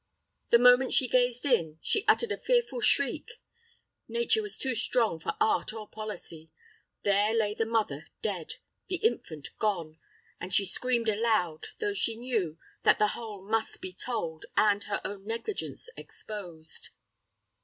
The moment she gazed in, she uttered a fearful shriek. Nature was too strong for art or policy. There lay the mother dead; the infant gone; and she screamed aloud, though she knew that the whole must be told, and her own negligence exposed.